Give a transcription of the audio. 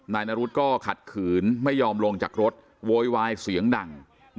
นายนรุษก็ขัดขืนไม่ยอมลงจากรถโวยวายเสียงดัง